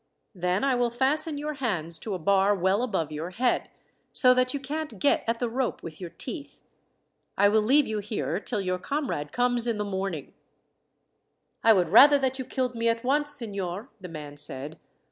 Then I will fasten your hands to a bar well above your head, so that you can't get at the rope with your teeth. I will leave you here till your comrade comes in the morning." "I would rather that you killed me at once, signor," the man said.